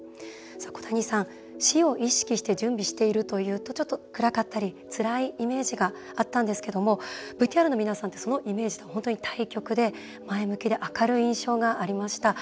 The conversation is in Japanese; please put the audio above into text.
小谷さん、死を意識して準備しているというと暗かったり、つらいイメージがあったんですけどもＶＴＲの皆さんってそのイメージとは対極で前向きで明るい印象がありました。